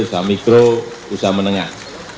usaha mikro usaha menengah